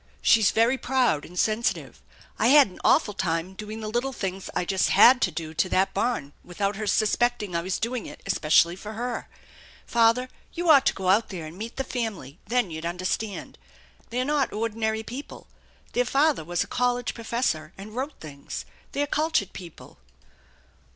She's very proud and sensitive. I had an awful time doing the little things I just had to do to that barn THE ENCHANTED BARN 206 without her suspecting I was doing it especially for her. Father, you ought to go out there and meet the family; then you'd understand. They're not ordinary people. Their father was a college professor and wrote things. They're cultured people."